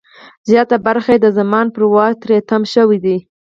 زیاته برخه یې د زمان پر واټ تری تم شوې ده.